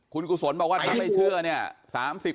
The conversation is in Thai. คุณกุศวนบอกว่าทำไม่เชื่อเนี้ยสามสิบ